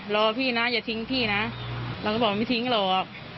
รอพี่นะอย่าทิ้งพี่นะเราก็บอกไม่ทิ้งหรอก